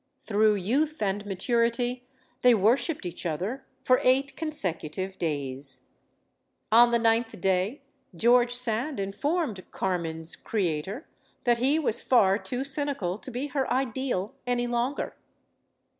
Through youth and maturity they worshiped each other for eight con secutive days. On the ninth day, George Sand in formed "Carmen's" creator that he was far too cynical to be her ideal any longer.